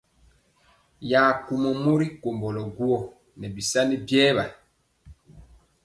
Ya kumɔ mori komblo guó nɛ bisani biewa.